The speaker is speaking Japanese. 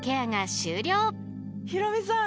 ヒロミさん。